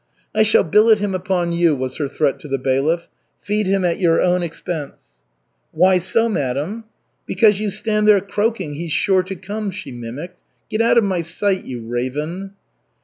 "I shall billet him upon you," was her threat to the bailiff. "Feed him at your own expense." "Why so, madam?" "Because you stand there croaking: 'He's sure to come,'" she mimicked. "Get out of my sight, you raven!"